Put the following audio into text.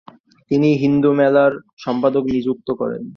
তিনি হিন্দু মেলার সম্পাদক নিযুক্ত হন।